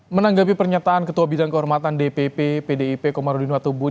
menanggapi pernyataan ketua bidang kehormatan dpp pdip komarudin watubun